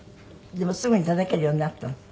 でもすぐにたたけるようになったの？